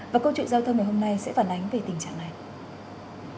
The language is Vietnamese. và câu chuyện giao thông ngày hôm nay sẽ phản ánh về tình trạng này